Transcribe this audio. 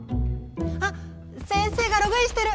あっ先生がログインしてる！